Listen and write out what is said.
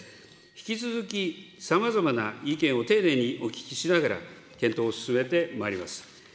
引き続きさまざまな意見を丁寧にお聞きしながら、検討を進めてまいります。